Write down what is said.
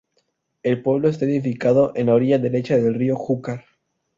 El pueblo está edificado en la orilla derecha del río Júcar.